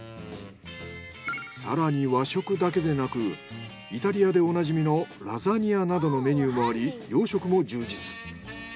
更に和食だけでなくイタリアでおなじみのラザニアなどのメニューもあり洋食も充実。